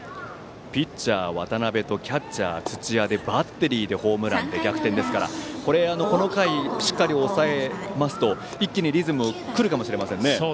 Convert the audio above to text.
ピッチャー、渡辺とキャッチャー、土屋のバッテリーでホームランで逆転ですからこれ、この回しっかり抑えますと一気にリズムが来るかもしれませんね。